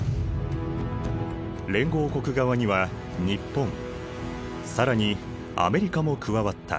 連合国側には日本更にアメリカも加わった。